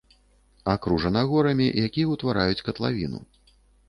Акружана горамі, якія ўтвараюць катлавіну.